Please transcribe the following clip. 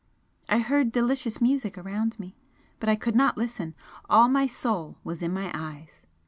I heard delicious music around me, but I could not listen all my soul was in my eyes.